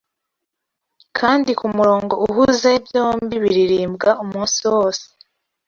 Kandi kumurongo uhuze byombi Biririmbwa umunsi wose